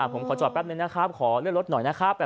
ผมขอจอดแป๊บนึงนะครับขอเลื่อนรถหน่อยนะครับ